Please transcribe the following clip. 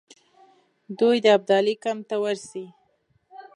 دوی د ابدالي کمپ ته ورسي.